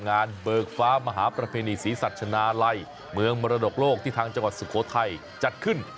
เบิกฟ้ามหาประเพณีศรีสัชนาลัยเมืองมรดกโลกที่ทางจังหวัดสุโขทัยจัดขึ้น